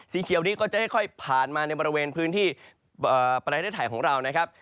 เขียวนี้ก็จะค่อยผ่านมาในบริเวณพื้นที่ประเทศไทยของเรานะครับ